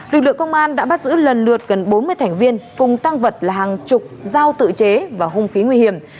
lực lượng công an đã bắt giữ lần lượt gần bốn mươi thành viên cùng tăng vật là hàng chục dao tự chế và hung khí nguy hiểm